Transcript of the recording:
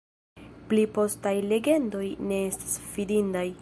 Pli postaj legendoj ne estas fidindaj.